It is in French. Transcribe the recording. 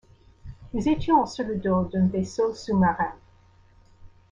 Nous étions sur le dos d’un vaisseau sous-marin.